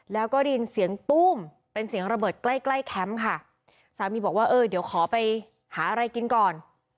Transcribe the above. แล้วก็ได้ยินเสียงตู้มเป็นเสียงระเบิดใกล้ใกล้แคมป์ค่ะสามีบอกว่าเออเดี๋ยวขอไปหาอะไรกินก่อน